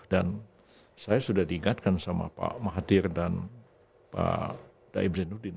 dan saya sudah diingatkan sama pak mahathir dan pak daib zainuddin